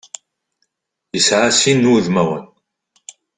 Yesɛa sin n wudmawen.